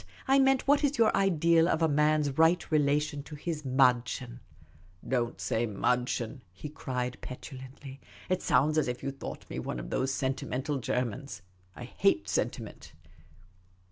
I meant, what is your ideal of a man's right relation to his viddchen ?'*" Don't say madchen,'" he cried, petulantly. " It sounds as if you thought me one of those sentimental Germans. I hate sentiment."